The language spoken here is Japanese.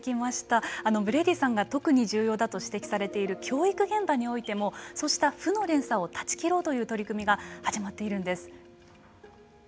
ブレイディさんが特に重要だと指摘されている教育現場においてもそうした負の連鎖を断ち切ろうという取り組みが始まっているんです。